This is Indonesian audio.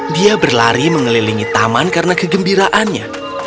dia berlari mengelilingi taman karena kegembiraannya